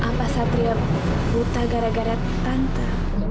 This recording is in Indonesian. apa satria buta gara gara tante